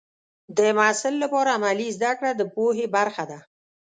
د محصل لپاره عملي زده کړه د پوهې برخه ده.